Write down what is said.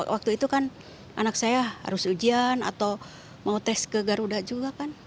waktu itu kan anak saya harus ujian atau mau tes ke garuda juga kan